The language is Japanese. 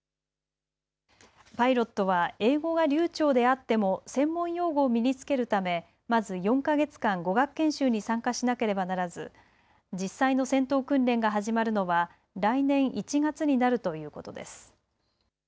パイロットは英語が流ちょうであっても専門用語を身につけるため、まず４か月間、語学研修に参加しなければならず実際の戦闘訓練が始まるのは来年１月になるということです。